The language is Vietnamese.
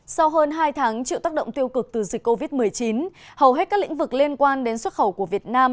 sau hơn hai tháng chịu tác động tiêu cực từ dịch covid một mươi chín hầu hết các lĩnh vực liên quan đến xuất khẩu của việt nam